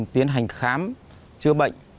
tiến hành khám chữa bệnh